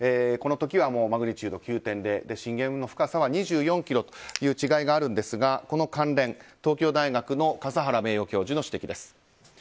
この時はマグニチュード９．０震源の深さは２４ｋｍという違いがあるんですがこの関連、東京大学の笠原名誉教授の指摘です。